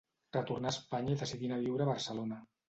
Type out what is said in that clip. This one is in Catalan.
Retornà a Espanya i decidí anar a viure a Barcelona.